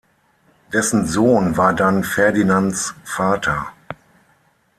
Dessen Sohn war dann Ferdinands Vater.